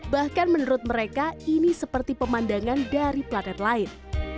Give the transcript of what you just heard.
bahkan menurut mereka ini seperti pemandangan dari planet lain